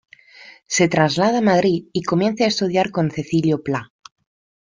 Se traslada a Madrid y comienza a estudiar con Cecilio Plá.